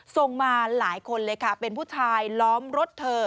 ส่งมาหลายคนเลยค่ะเป็นผู้ชายล้อมรถเธอ